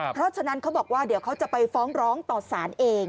เพราะฉะนั้นเขาบอกว่าเดี๋ยวเขาจะไปฟ้องร้องต่อสารเอง